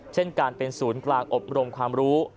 เช่นการเป็นศูนย์กลางอบรมความรู้